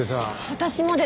私もです。